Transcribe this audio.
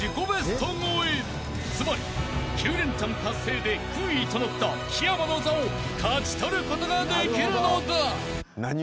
［つまり９レンチャン達成で空位となった木山の座を勝ち取ることができるのだ！］